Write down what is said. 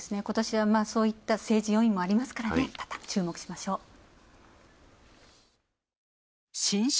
今年はそういった政治要因もありますから注目しましょう。